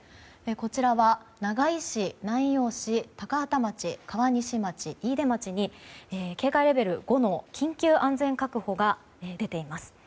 こちらは長井市、南陽市高畠町、川西町、飯豊町に警戒レベル５の緊急安全確保が出ています。